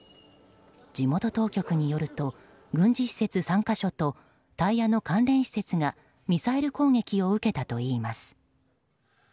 地元当局によると軍事施設３か所とタイヤの関連施設がミサイル攻撃を受けたといいます。